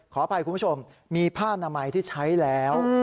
ขออภัยคุณผู้ชมมีผ้านามัยที่ใช้แล้ว